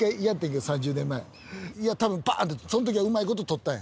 いやたぶんばんってその時はうまいこと取ったんや。